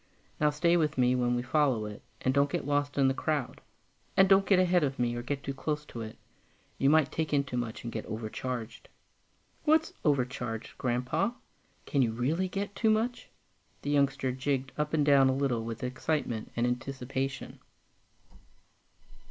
Now stay with me when we follow it, and don't get lost in the crowd; and don't get ahead of me or get too close to it you might take in too much, and get overcharged." "What's 'overcharged,' Grandpa? Can you really get too much?" The youngster jigged up and down a little with excitement and anticipation.